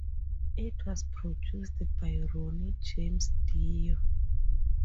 It was produced by Ronnie James Dio.